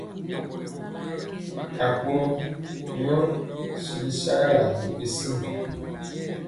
Akurɔ yɔ sili sɛgalaa to kisin.